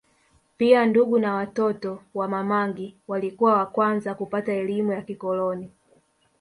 Pia ndugu na watoto wa Ma mangi walikuwa wa kwanza kupata elimu ya kikoloni